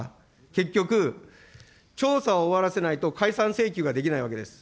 結局、調査を終わらせないと解散請求ができないわけです。